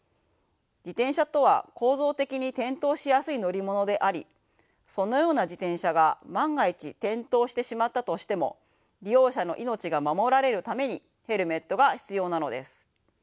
自転車とは構造的に転倒しやすい乗り物でありそのような自転車が万が一転倒してしまったとしても利用者の命が守られるためにヘルメットが必要なのです。